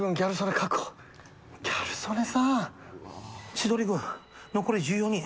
千鳥軍、残り１４人。